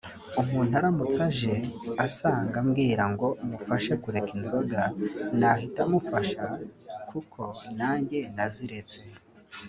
umuntu aramutse aje ansanga ambwira ngo mufashe kureka inzoga nahita mufasha kuko nanjye naraziretse